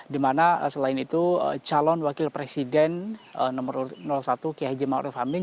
di mana selain itu calon wakil presiden nomor satu kiai jemaul refahmin